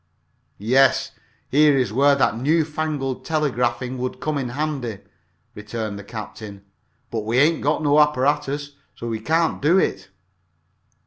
"Yes, here is where that newfangled telegraphing would come in handy," returned Captain Spark. "But we ain't got no apparatus, so we can't do it."